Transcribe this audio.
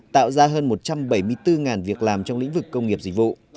tạo ra hơn một trăm bảy mươi bốn việc làm trong lĩnh vực công nghiệp dịch vụ